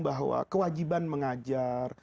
bahwa kewajiban mengajar